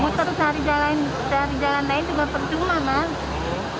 mau terus cari jalan lain juga percuma mas